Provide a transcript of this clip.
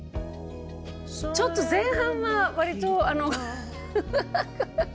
ちょっと前半は割とハハハハ！